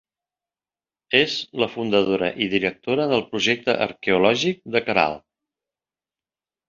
És la fundadora i directora del projecte arqueològic de Caral.